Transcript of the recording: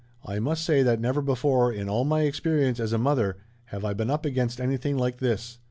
"I must say that never before in all my experience as a mother have I been up against anything like this.